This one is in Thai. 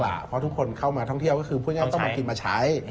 เพราะทุกคนเข้ามาท่องเที่ยวก็คือพูดง่ายว่าต้องมากินมาใช้